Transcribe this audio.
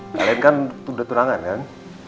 kalian kan udah turangan kan